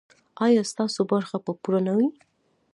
ایا ستاسو برخه به پوره نه وي؟